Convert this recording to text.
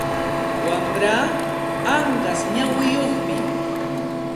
Wamraa anqas nawiyuqmi.